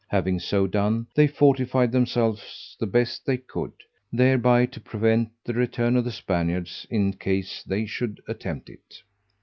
Having so done, they fortified themselves the best they could, thereby to prevent the return of the Spaniards in case they should attempt it.